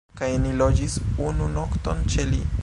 Kaj ni loĝis unu nokton ĉe li